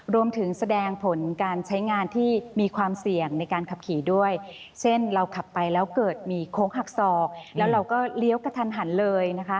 แสดงผลการใช้งานที่มีความเสี่ยงในการขับขี่ด้วยเช่นเราขับไปแล้วเกิดมีโค้งหักศอกแล้วเราก็เลี้ยวกระทันหันเลยนะคะ